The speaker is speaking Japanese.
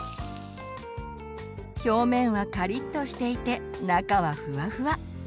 表面はカリッとしていて中はふわふわ。